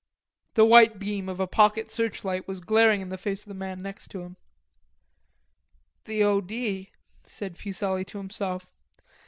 The white beam of a pocket searchlight was glaring in the face of the man next to him. "The O. D." said Fuselli to himself.